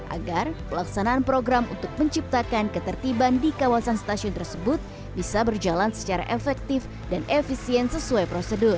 agar pelaksanaan program untuk menciptakan ketertiban di kawasan stasiun tersebut bisa berjalan secara efektif dan efisien sesuai prosedur